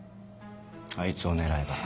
あいつを狙えば。